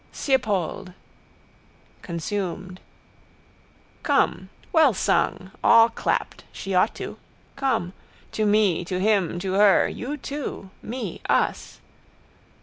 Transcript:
_ Siopold! Consumed. Come. Well sung. All clapped. She ought to. Come. To me, to him, to her, you too, me, us.